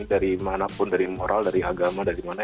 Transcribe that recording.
dari manapun dari moral dari agama dari mana